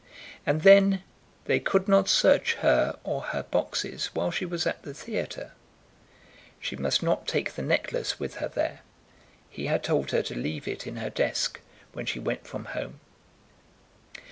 And then, they could not search her or her boxes while she was at the theatre. She must not take the necklace with her there. He had told her to leave it in her desk, when she went from home.